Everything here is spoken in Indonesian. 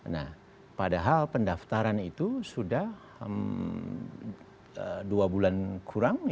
nah padahal pendaftaran itu sudah dua bulan kurang